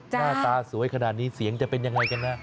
หน้าตาสวยขนาดนี้เสียงจะเป็นยังไงกันนะ